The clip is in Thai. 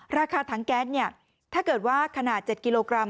ราคาถังแก๊สเนี่ยถ้าเกิดว่าขนาด๗กิโลกรัม